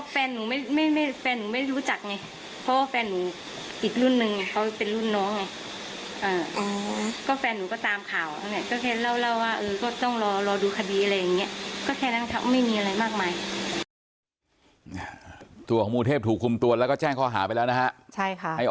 เพราะแฟนหนูไม่รู้จักไงเพราะแฟนหนูอีกรุ่นนึงเค้าเป็นรุ่นน้องไง